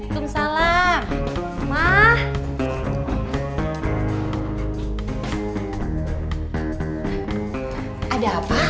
suster di bawah